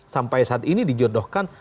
sampai saat ini dijodohkan